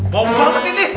bawah banget ini